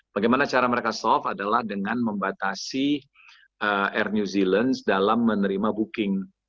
bagaimana cara mereka soft adalah dengan membatasi air new zealand dalam menerima booking